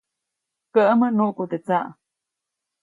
Käʼmäʼ nuʼku teʼ tsaʼ.